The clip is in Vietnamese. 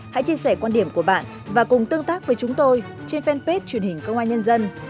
hãy chia sẻ quan điểm của bạn và cùng tương tác với chúng tôi trên fanpage truyền hình công an nhân dân